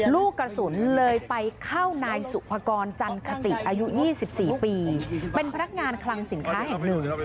ลูกกระสุนเลยไปเข้านายสุภกรจันคติอายุ๒๔ปีเป็นพนักงานคลังสินค้าแห่งหนึ่ง